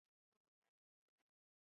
Ng wii.